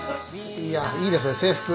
いやいいですね制服。